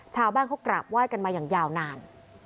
ชาวบ้านเขากราบไหว้กันมาอย่างยาวนาน